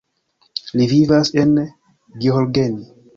Li vivas en Gheorgheni.